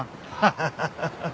ハハハハ。